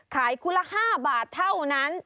ขายคู่ละ๕บาทเท่านั้น